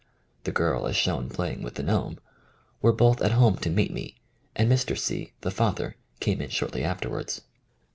(the girl as shown playing with the gnome) were both at home to meet me, and Mr. C, the father, came in shortly afterwards.